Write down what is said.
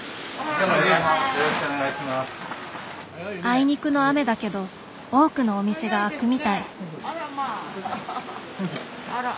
あいにくの雨だけど多くのお店が開くみたい。